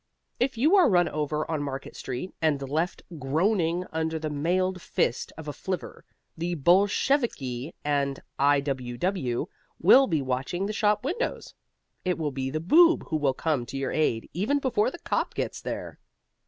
If you are run over on Market Street and left groaning under the mailed fist of a flivver, the Bolsheviki and I.W.W. will be watching the shop windows. It will be the Boob who will come to your aid, even before the cop gets there.